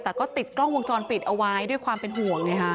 แต่ก็ติดกล้องวงจรปิดเอาไว้ด้วยความเป็นห่วงไงฮะ